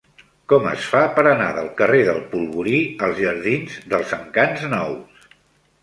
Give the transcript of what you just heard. Com es fa per anar del carrer del Polvorí als jardins dels Encants Nous?